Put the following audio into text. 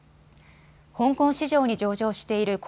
香港市場に上場している恒